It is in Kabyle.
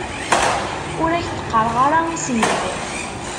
Ur ak-d-qqareɣ ara isem-iw.